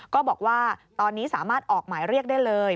ก็บอกว่าตอนนี้สามารถออกหมายเรียกได้เลย